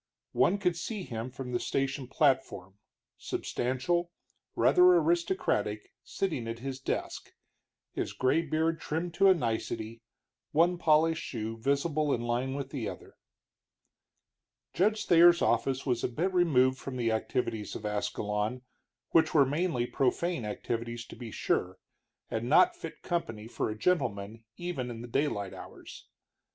One could see him from the station platform, substantial, rather aristocratic, sitting at his desk, his gray beard trimmed to a nicety, one polished shoe visible in line with the door. Judge Thayer's office was a bit removed from the activities of Ascalon, which were mainly profane activities, to be sure, and not fit company for a gentleman even in the daylight hours.